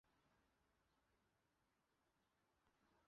为王得禄剿平海贼时所建。